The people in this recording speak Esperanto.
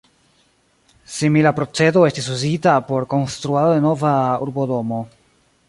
Simila procedo estis uzita por konstruado de Nova urbodomo.